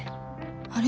あれ？